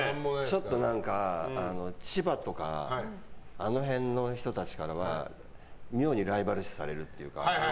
ちょっと千葉とかあの辺の人たちからは妙にライバル視されるっていうか。